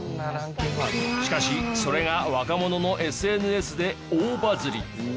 しかしそれが若者のＳＮＳで大バズリ。